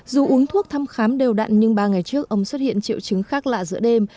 dù uống thuốc thăm khám đều đặn nhưng ba ngày trước ông xuất hiện triệu chứng khác lạ giữa đêm